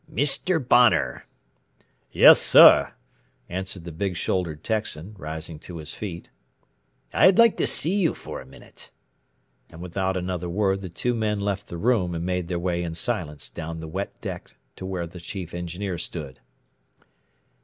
"Mr. Bonner." "Yes, sir," answered the big shouldered Texan, rising to his feet. "I'd like to see you for a minute," and without another word the two men left the room and made their way in silence down the wet deck to where the Chief Engineer stood.